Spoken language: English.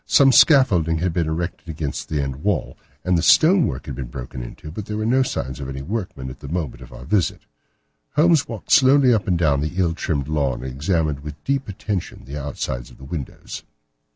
Some scaffolding had been erected against the end wall, and the stone work had been broken into, but there were no signs of any workmen at the moment of our visit. Holmes walked slowly up and down the ill trimmed lawn and examined with deep attention the outsides of the windows.